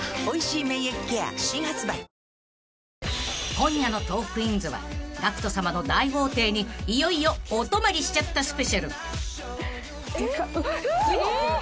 ［今夜の『トークィーンズ』はＧＡＣＫＴさまの大豪邸にいよいよお泊まりしちゃったＳＰ］